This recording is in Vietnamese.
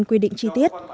cơ quan quy định chi tiết